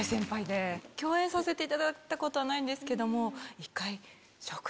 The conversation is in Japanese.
共演させていただいたことはないんですけども。